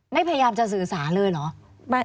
พยายามจะสื่อสารเลยเหรอ